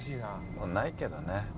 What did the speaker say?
もうないけどね。